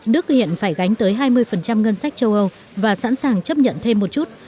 đức hiện phải gánh tới hai mươi ngân sách châu âu và sẵn sàng chấp nhận thêm một chút